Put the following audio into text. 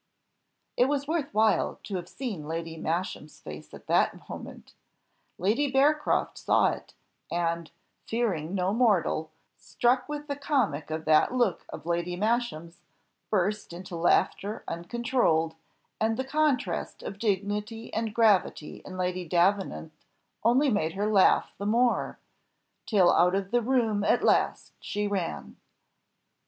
It was worth while to have seen Lady Masham's face at that moment! Lady Bearcroft saw it, and, fearing no mortal, struck with the comic of that look of Lady Masham's, burst into laughter uncontrolled, and the contrast of dignity and gravity in Lady Davenant only made her laugh the more, till out of the room at last she ran.